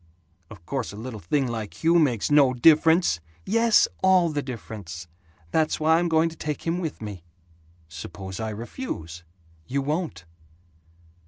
"Of course a little thing like Hugh makes no difference!" "Yes, all the difference. That's why I'm going to take him with me." "Suppose I refuse?" "You won't!"